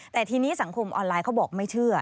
แต่ทีนี้สังคมออนไลน์เขาบอกไม่เชื่อ